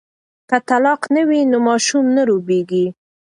که طلاق نه وي نو ماشوم نه روبیږي.